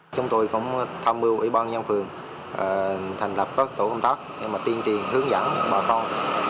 chúng tôi cũng tham mưu ủy ban nhân phường thành lập các tổ công tác để tuyên truyền hướng dẫn bà con